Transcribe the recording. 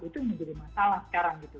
itu yang menjadi masalah sekarang